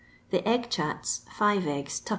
The egg chats, five eggs. %d.